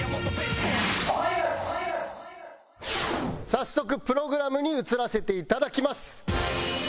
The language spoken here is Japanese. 早速プログラムに移らせていただきます。